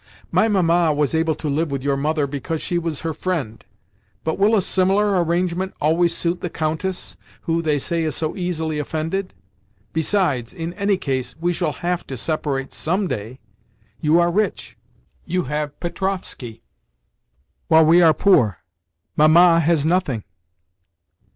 "My Mamma was able to live with your mother because she was her friend; but will a similar arrangement always suit the Countess, who, they say, is so easily offended? Besides, in any case, we shall have to separate some day. You are rich—you have Petrovskoe, while we are poor—Mamma has nothing."